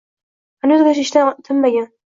Xanuzgacha ishdan tinmagan